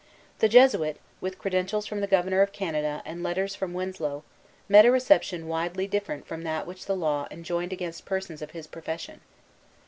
The Jesuit, with credentials from the Governor of Canada and letters from Winslow, met a reception widely different from that which the law enjoined against persons of his profession.